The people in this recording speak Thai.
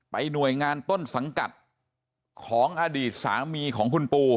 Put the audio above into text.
หน่วยงานต้นสังกัดของอดีตสามีของคุณปู